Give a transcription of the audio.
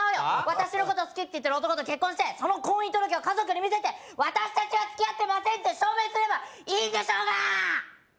私のこと好きって言ってる男と結婚してその婚姻届を家族に見せて私達は付き合ってませんって証明すればいいんでしょうがー！